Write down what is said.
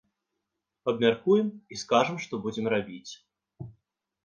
Абмяркуем і скажам, што будзем рабіць.